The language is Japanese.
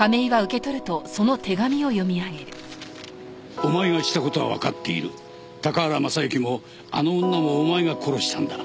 「おまえがしたことはわかっている」「高原雅之もあの女もおまえが殺したんだ」